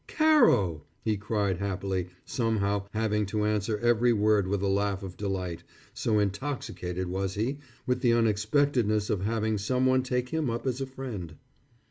"Caro!" he cried happily, somehow having to answer every word with a laugh of delight, so intoxicated was he with the unexpectedness of having someone take him up as a friend.